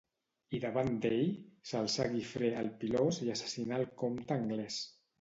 I davant d'ell s'alçà Guifré el Pilós i assassinà el comte anglès.